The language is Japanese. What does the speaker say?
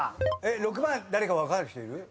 ６番誰か分かる人いる？